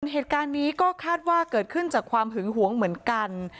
เหตุการณ์นี้ก็คาดว่าเกิดขึ้นจากความหึงหวงเหมือนกัน